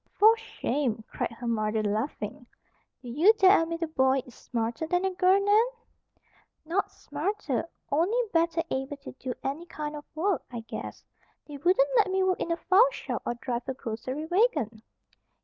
"For shame!" cried her mother, laughing. "Do you dare admit a boy is smarter than a girl, Nan?" "Not smarter. Only better able to do any kind of work, I guess. They wouldn't let me work in the file shop, or drive a grocery wagon."